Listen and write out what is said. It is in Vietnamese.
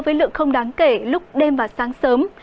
với lượng không đáng kể lúc đêm và sáng sớm